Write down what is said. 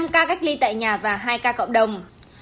năm ca cách ly tại nhà và hai ca cộng đồng